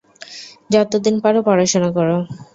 যতদিন পারো পড়াশোনা করো।